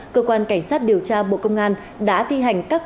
cơ quan cảnh sát điều tra bộ công an đã thi hành các quyết định